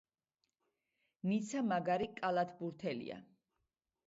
ნიცა მაგარი კალათბურტელია.